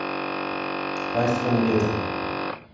Państwo nie wiedzą